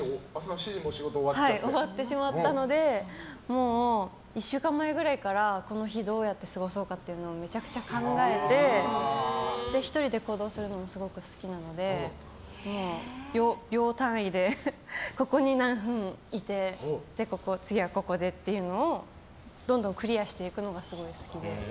終わってしまったのでもう、１週間前くらいからこの日どうやって過ごそうかっていうのをめちゃくちゃ考えて１人で行動するのもすごく好きなので、秒単位でここに何分いて次はここでっていうのをどんどんクリアしてくのがすごい好きで。